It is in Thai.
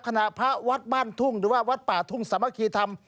พระวัดบ้านทุ่งหรือว่าวัดป่าทุ่งสามัคคีธรรม